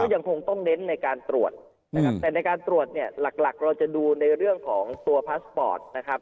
ก็ยังคงต้องเน้นในการตรวจแต่ในการตรวจหลักเราจะดูในเรื่องของตัวพาสปอร์ต